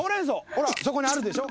ほらそこにあるでしょ。